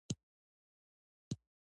دریابونه د افغان کورنیو د دودونو مهم عنصر دی.